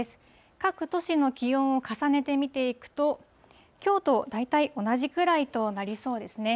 各都市の気温を重ねて見ていくと、きょうと大体同じくらいとなりそうですね。